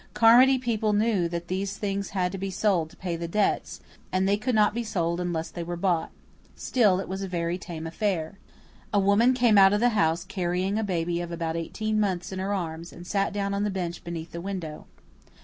Carmody people knew that these things had to be sold to pay the debts, and they could not be sold unless they were bought. Still, it was a very tame affair. A woman came out of the house carrying a baby of about eighteen months in her arms, and sat down on the bench beneath the window.